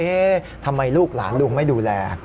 ทำไมลูกหลานลุงไม่ดูแล